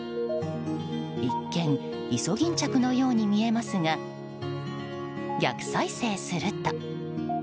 一見、イソギンチャクのように見えますが逆再生すると。